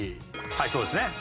はいそうですね。